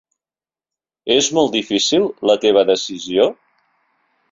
És molt difícil, la teva decisió?